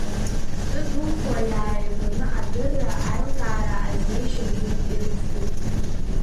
Зтәы ҭухуа иааигәаны адырра, аилкаара, азнеишьа зегьы ирыцкуп…